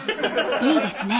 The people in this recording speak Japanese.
［いいですね。